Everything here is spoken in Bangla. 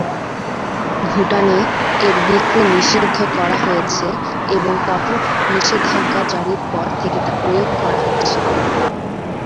ভুটানে এর বিক্রি নিষিদ্ধ করা হয়েছে এবং কঠোর নিষেধাজ্ঞা জারির পর থেকে তা প্রয়োগ করা হচ্ছে।